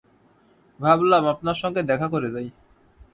ভাবলাম, আপনার সঙ্গে দেখা করে যাই।